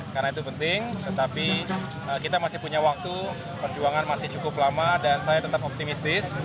karena itu penting tetapi kita masih punya waktu perjuangan masih cukup lama dan saya tetap optimistis